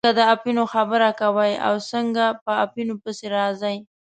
څنګه د اپینو خبره کوئ او څنګه په اپینو پسې راځئ.